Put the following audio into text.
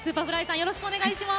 よろしくお願いします。